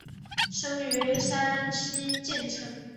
生于山西晋城。